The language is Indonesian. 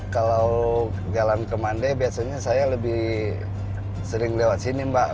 kalau jalan ke mandai biasanya saya lebih sering lewat sini mbak